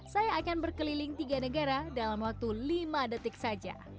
saya akan berkeliling tiga negara dalam waktu lima detik saja